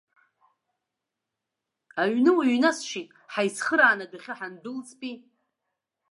Аҩны уҩнасшьит, ҳаицхырааны адәахьы ҳандәылҵпи.